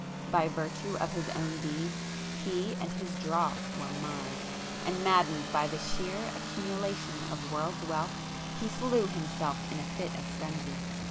By virtue of his own deeds he and his dross were Mine! and maddened by the sheer accumulation of world's wealth, he slew himself in a fit of frenzy.